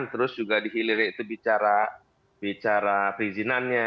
terus juga di hilir itu bicara perizinannya